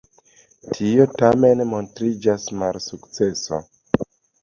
Tio tamen montriĝis malsukceso.